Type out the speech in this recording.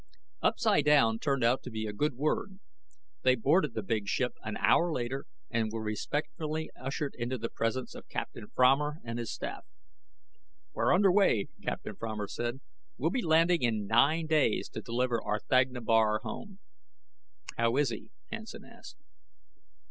Upsidedown turned out to be a good word. They boarded the big ship an hour later and were respectfully ushered into the presence of Captain Fromer and his staff. "We're underway," Captain Fromer said. "We'll be landing in nine days to deliver R'thagna Bar home." "How is he?" Hansen asked.